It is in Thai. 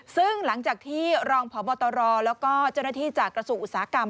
ซึ่งหลังจากที่รองพบตรแล้วก็เจ้าหน้าที่จากกระทรวงอุตสาหกรรม